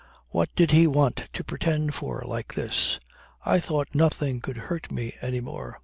What did he want to pretend for, like this? I thought nothing could hurt me any more.